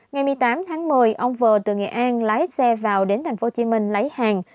ngày một mươi tám tháng một mươi ông vờ từ nghệ an lái xe vào đến tp hcm lấy hàng